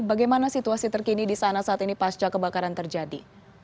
bagaimana situasi terkini di sana saat ini pasca kebakaran terjadi